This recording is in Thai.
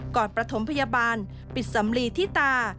ประถมพยาบาลปิดสำลีที่ตา